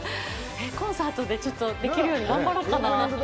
コンサートでできるように頑張ろうかな。